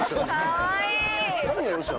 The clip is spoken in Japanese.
かわいい。